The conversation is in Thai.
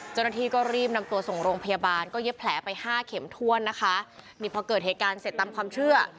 เจ้าหน้าที่ก็รีบนำตัวส่งโรงพยาบาลก็เย็บแผลไปห้าเข็มถ้วนนะคะนี่พอเกิดเหตุการณ์เสร็จตามความเชื่อ